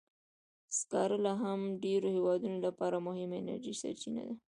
سکاره لا هم د ډېرو هېوادونو لپاره مهمه انرژي سرچینه ده.